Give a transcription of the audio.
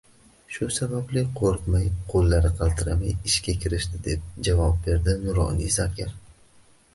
Shu sababli qoʻrqmay, qoʻllari qaltiramay ishga kirishdi, deb javob berdi nuroniy zargar